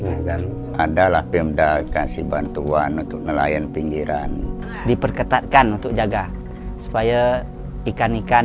dengan adalah pindah kasih bantuan untuk nelayan pinggiran diperketatkan untuk jaga supaya ikan ikan